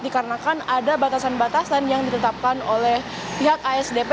dikarenakan ada batasan batasan yang ditetapkan oleh pihak asdp